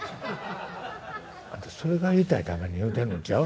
「あんたそれが言いたいために言うてんのんちゃう？」。